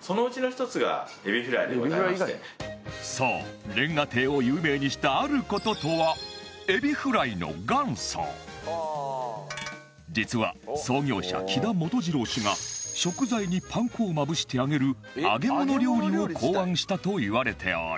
そう瓦亭を有名にしたある事とは実は創業者木田元次郎氏が食材にパン粉をまぶして揚げる揚げ物料理を考案したといわれており